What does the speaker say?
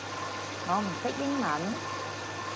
我唔識英文